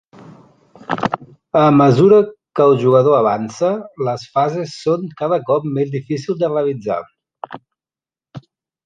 A mesura que el jugador avança, les fases són cada cop més difícils de realitzar.